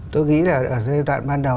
tôi nghĩ là ở giai đoạn ban đầu